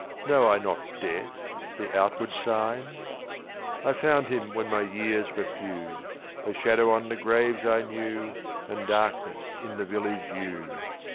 Know I not Death? the outward signs? "I found him when my years were few; A shadow on the graves I knew, And darkness in the village yew.